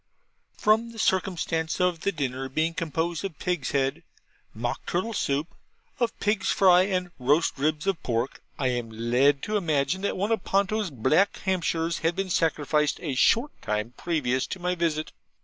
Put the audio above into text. From the circumstance of the dinner being composed of pig's head mock turtle soup, of pig's fry and roast ribs of pork, I am led to imagine that one of Ponto's black Hampshires had been sacrificed a short time previous to my visit.